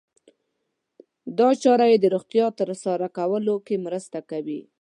دا چاره يې د روغتیا ترلاسه کولو کې مرسته کوي.